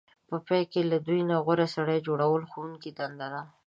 په پای کې له دوی نه غوره سړی جوړول د ښوونکو دنده ده.